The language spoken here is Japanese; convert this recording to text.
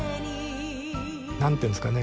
何て言うんですかね。